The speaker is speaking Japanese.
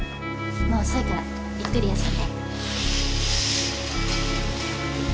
もう遅いからゆっくり休んで。